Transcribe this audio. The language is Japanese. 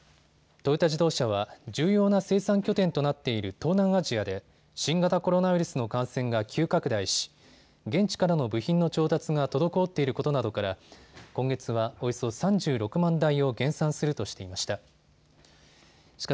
トヨタ自動車は重要な生産拠点となっている東南アジアで新型コロナウイルスの感染が急拡大し現地からの部品の調達が滞っていることなどから今月はおよそ３６万台を減産するとしていました。